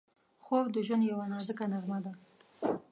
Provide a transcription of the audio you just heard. خوب د ژوند یوه نازکه نغمه ده